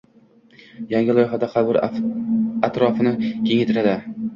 Yangi loyihada qabr atrofini kengaytiriladi.